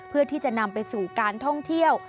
เพื่อที่จะนำไปสู่การท่องเที่ยว